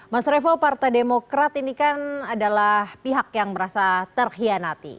mas revo partai demokrat ini kan adalah pihak yang merasa terkhianati